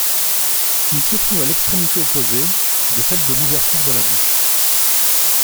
Il se trouve à l'extrémité opposée de celle de l'ouverture de la bouche.